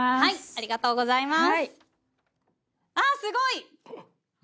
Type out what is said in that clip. ありがとうございます。